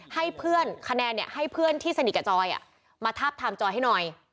ให้เพื่อนคะแนนให้เพื่อนที่สนิทกับจอยมาทาบทามจอยให้หน่อย